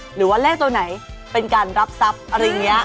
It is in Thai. หรือว่าเลขตัวไหนเป็นการรับทรัพย์อะไรอย่างนี้